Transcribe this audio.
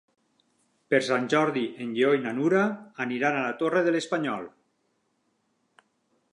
Per Sant Jordi en Lleó i na Nura aniran a la Torre de l'Espanyol.